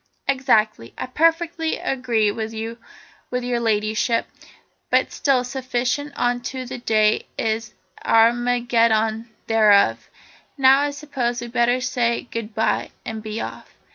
"Exactly. I perfectly agree with your Ladyship, but still sufficient unto the day is the Armageddon thereof. Now I suppose we'd better say goodbye and be off."